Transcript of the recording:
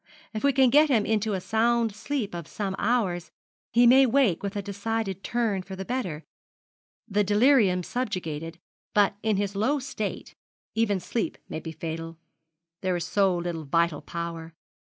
If we can get him into a sound sleep of some hours he may wake with a decided turn for the better the delirium subjugated; but in his low state, even sleep may be fatal there is so little vital power.